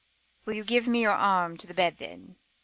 "Will you give me your arm to the bed then?